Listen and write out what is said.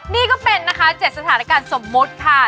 นี่ก็เป็นนะคะ๗สถานการณ์สมมุติค่ะ